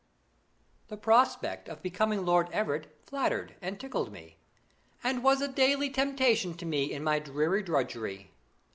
The prospect of becoming Lord Everett flattered and tickled me, and was a daily temptation to me in my dreary drudgery.